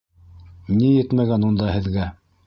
- Ни етмәгән унда һеҙгә?